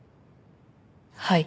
はい。